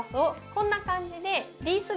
こんな感じです。